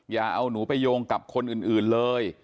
อย่าเอาหนูไปโยงกับคนอื่นเลย